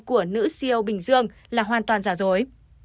của nữ siêu bình dương là hoàn toàn giả dối